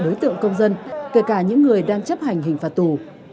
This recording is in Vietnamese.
tất cả đối tượng công dân kể cả những người đang chấp hành hình phạt tù